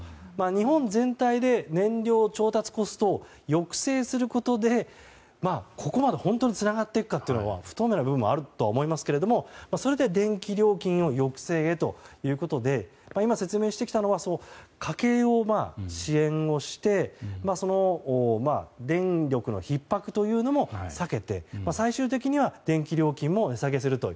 日本全体で燃料調達コストを抑制することでここまで本当につながっていくかは不透明な部分はあるかと思いますがそれで電気料金を抑制へということで今、説明してきたのは家計の支援をしてその電力のひっ迫というのも避けて、最終的には電気料金も値下げすると。